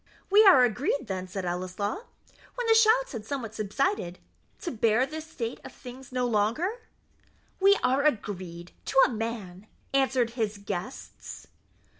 "We are agreed, then," said Ellieslaw, when the shouts had somewhat subsided, "to bear this state of things no longer?" "We are agreed to a man," answered his guests.